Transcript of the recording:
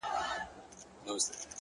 روښانه موخې روښانه لارې پیدا کوي!